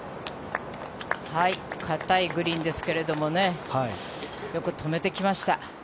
硬いグリーンですけどよく止めてきました。